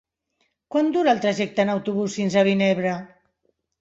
Quant dura el trajecte en autobús fins a Vinebre?